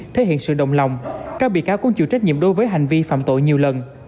thể hiện sự đồng lòng các bị cáo cũng chịu trách nhiệm đối với hành vi phạm tội nhiều lần